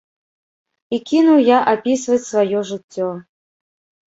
І кінуў я апісваць сваё жыццё.